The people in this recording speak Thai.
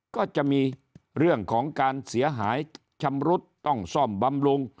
ก็จะมีเรื่องของการเสียหายชำรุดต้องซ่อมบำรุง